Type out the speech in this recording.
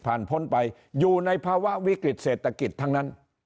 พ้นไปอยู่ในภาวะวิกฤตเศรษฐกิจทั้งนั้น